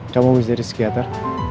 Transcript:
kamu abis jadi psikiater